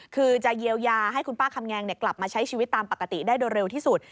คือจะเยียวยาให้คุณป้าคำแงงกลับมาใช้ชีวิตตามปกติได้โดยเร็วที่สุด